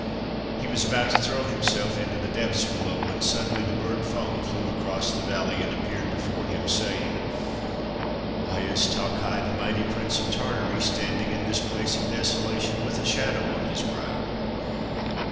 He was about to throw himself into the depths below when suddenly the bird Feng flew across the valley and appeared before him, saying :' Why is Ta Khai, the mighty Prince of Tartary, standing in this place of desolation with a shadow on his brow